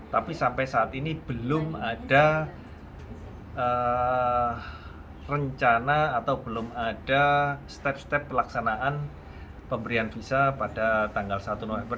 tapi sampai saat ini belum ada rencana atau belum ada step step pelaksanaan pemberian visa pada tanggal satu november